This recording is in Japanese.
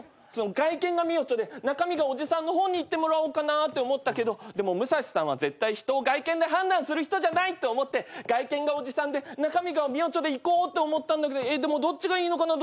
外見がミヨチョで中身がおじさんの方に行ってもらおうかなって思ったけどでも武志さんは絶対人を外見で判断する人じゃないって思って外見がおじさんで中身がミヨチョでいこうって思ったんだけどでもどっちがいいのかな？